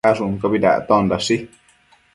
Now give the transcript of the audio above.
Ashunquiobi dactondashi